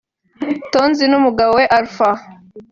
Tonzi n’umugabo we Alpha